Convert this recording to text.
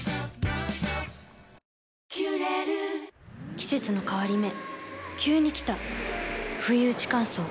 季節の変わり目急に来たふいうち乾燥。